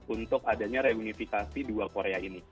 untuk adanya reunifikasi dua korea ini